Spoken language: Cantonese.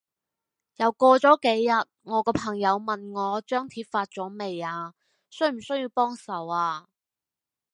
又過咗幾日，我個朋友問我張貼發咗未啊？需唔需要幫手啊？